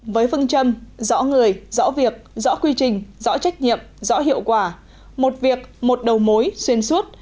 với phương châm rõ người rõ việc rõ quy trình rõ trách nhiệm rõ hiệu quả một việc một đầu mối xuyên suốt